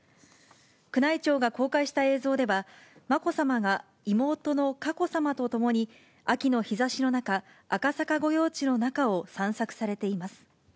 宮内庁が公開した映像では、まこさまが妹の佳子さまと共に、秋の日ざしの中、赤坂御用地の中を散策されています。